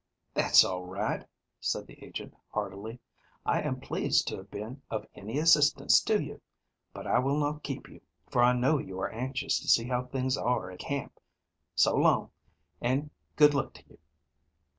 "That's all right," said the agent heartily, "I am pleased to have been of any assistance to you. But I will not keep you, for I know you are anxious to see how things are at camp. So long, and good luck to you."